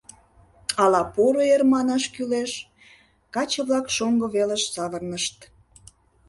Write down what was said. — Ала «поро эр» манаш кӱлеш? — каче-влак шоҥго велыш савырнышт.